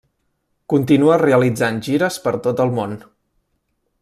Continua realitzant gires per tot el món.